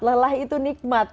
lelah itu nikmat